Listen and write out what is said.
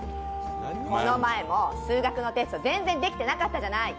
この前も数学のテスト全然できてなかったじゃない。